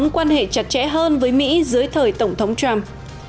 nó muốn quan hệ chặt chẽ hơn với mỹ dưới thời tổng thống trump